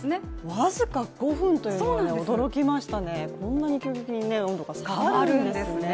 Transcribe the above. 僅か５分というのは驚きましたね、こんなに急激に温度が下がるんですね。